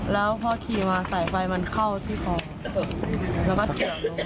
เมื่อมาสายไฟมันเข้าที่คอ